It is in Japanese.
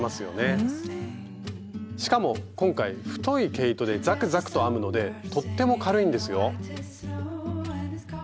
しかも今回太い毛糸でザクザクと編むのでとっても軽いんですよ。